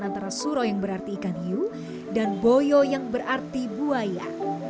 antara suro yang berarti ikan hiu dan boyo yang berarti buaya